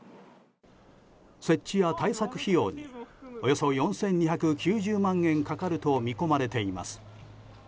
設置や対策費用におよそ４２９０万円かかると見込まれています。